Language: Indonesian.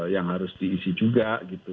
yang harus diisi juga